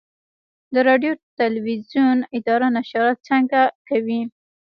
د راډیو تلویزیون اداره نشرات څنګه کوي؟